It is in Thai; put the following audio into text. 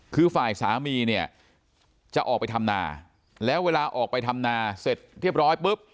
คือฝ่ายสามีเนี่ยจะออกไปทำนาแล้วเวลาออกไปทำนาเสร็จเรียบร้อยปุ๊บ